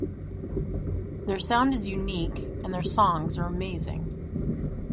Their sound is unique and their songs are amazing.